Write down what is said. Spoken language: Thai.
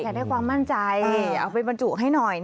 อยากได้ความมั่นใจเอาไปบรรจุให้หน่อย